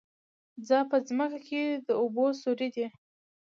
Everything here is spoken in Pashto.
څا په ځمکه کې د اوبو سوری دی